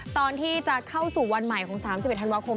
ตอนที่จะเข้าสู่วันใหม่ของ๓๑ธันวาคม